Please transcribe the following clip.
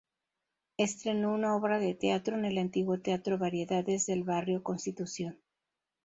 Estrenó una obra de teatro en el antiguo teatro Variedades del barrio Constitución.